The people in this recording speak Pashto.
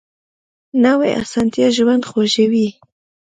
نوې اسانتیا ژوند خوږوي